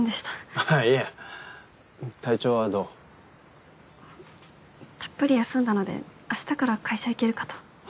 あぁいや体調はどう？たっぷり休んだのであしたから会社行けるかと。